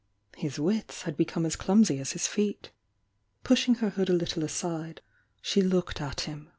His wits had become as clumsy as his feet. Pushing her hoS a little aside, she looked at him.